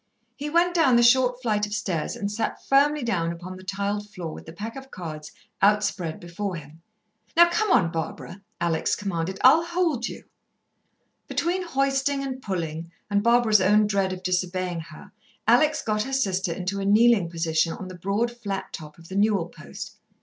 He went down the short flight of stairs and sat firmly down upon the tiled floor with the pack of cards out spread before him. "Now come on, Barbara," Alex commanded her; "I'll hold you." Between hoisting and pulling and Barbara's own dread of disobeying her, Alex got her sister into a kneeling position on the broad flat top of the newel post.